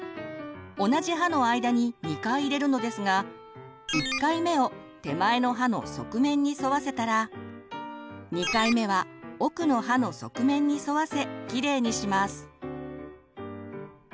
同じ歯の間に２回入れるのですが１回目を手前の歯の側面に沿わせたら２回目は奥の歯の側面に沿わせきれいにします。